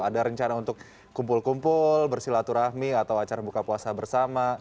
ada rencana untuk kumpul kumpul bersilaturahmi atau acara buka puasa bersama